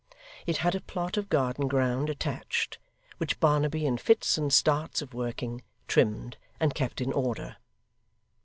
It had a plot of garden ground attached, which Barnaby, in fits and starts of working, trimmed, and kept in order.